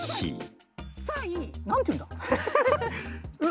何て言うんだ。